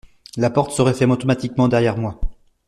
La porte se referme automatiquement derrière moi.